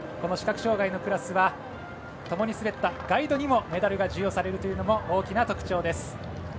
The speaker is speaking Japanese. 視覚障がいのクラスはともに滑ったガイドにもメダルが授与されるというのも大きな特徴です。